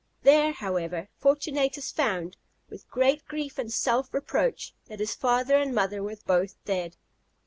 There, however, Fortunatus found, with great grief and self reproach, that his father and mother were both dead.